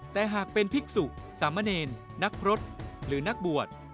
แต่หากเป็นภิกษุสามเณรนักพฤษหรือนักบวช